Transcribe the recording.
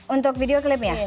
untuk video klipnya